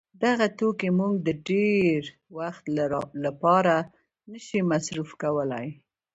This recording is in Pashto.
دغه توکي موږ د ډېر وخت له پاره نه سي مصروف کولای.